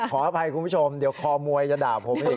ขออภัยคุณผู้ชมเดี๋ยวคอมวยจะด่าผมอีก